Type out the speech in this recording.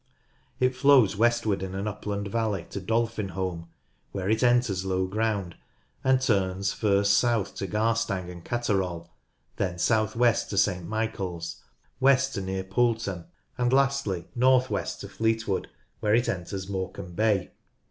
It flows westward in an upland valley to Dolphinholme, where it enters low ground and turns first south to Garstang and Catteral, then south west to St Michaels, west to near Poulton, and lastly north west to Fleetwood, where it enters Morecambe Bay.